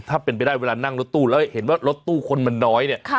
ถ้าเป็นไปได้เวลานั่งรถตู้แล้วเห็นว่ารถตู้คนมันน้อยเนี่ย